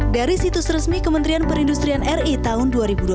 dari situs resmi kementerian perindustrian ri tahun dua ribu dua puluh